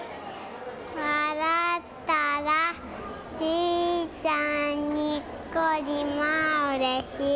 「わらったらじいちゃんにっこりまあうれしい」。